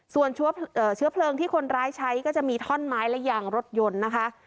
ส่วนเชื้อเพลิงที่คนร้ายใช้ก็จะมีท่อนไม้และยางรถยนต์นะคะ